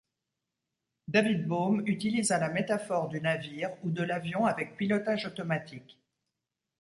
David Bohm utilisa la métaphore du navire ou de l'avion avec pilotage automatique.